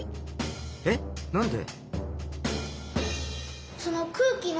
えなんで！？